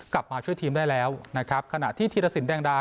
กลับมาช่วยทีมได้แล้วนะครับขณะที่ธีรสินแดงดา